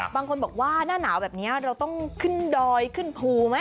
บางคนบอกว่าหน้าหนาวแบบนี้เราต้องขึ้นดอยขึ้นภูไหม